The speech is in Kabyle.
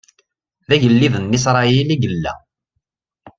D agellid n Isṛayil i yella!